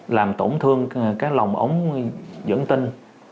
làm tổn thương các lòng ống dẫn tinh